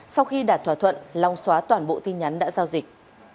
sau khi đạt thỏa thuận long xóa toàn bộ tin nhắn đã giao dịch